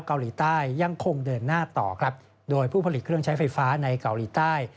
เกาหลีใต้ยังคงเดินหน้าต่อครับโดยผู้ผลิตเครื่องใช้ไฟฟ้าในเกาหลีใต้